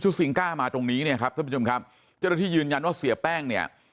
ซิงก้ามาตรงนี้เนี่ยครับท่านผู้ชมครับเจ้าหน้าที่ยืนยันว่าเสียแป้งเนี่ย